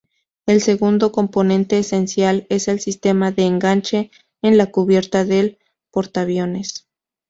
El segundo componente esencial es el sistema de enganche en la cubierta del portaviones.